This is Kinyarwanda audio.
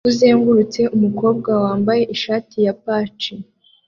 kuzengurutse umukobwa wambaye ishati ya pach